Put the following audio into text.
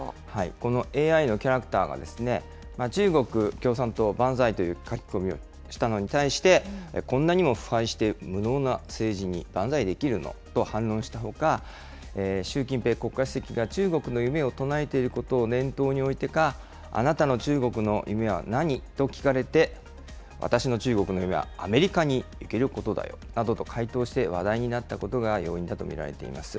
このＡＩのキャラクターが、中国共産党万歳という書き込みをしたのに対し、こんなにも腐敗して無能な政治に万歳できるの？と反論したほか、習近平国家主席が中国の夢を唱えていることを念頭に置いてか、あなたの中国の夢は何？と聞かれて、私の中国の夢はアメリカに行けることだよなどと回答して話題になったことが要因だと見られています。